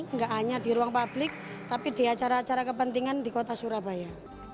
nggak hanya di ruang publik tapi di acara acara kepentingan di kota surabaya